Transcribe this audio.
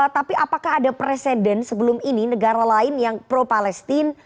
tapi apakah ada presiden sebelum ini negara lain yang pro palestine